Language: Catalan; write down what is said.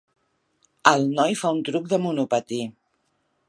El noi fa un truc de monopatí.